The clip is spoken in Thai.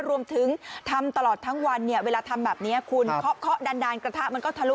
รวมถึงทำตลอดทั้งวันเนี่ยเวลาทำแบบนี้คุณเคาะดันกระทะมันก็ทะลุ